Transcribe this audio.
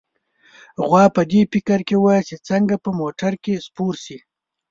غوا په دې فکر کې وه چې څنګه په موټر کې سپور شي.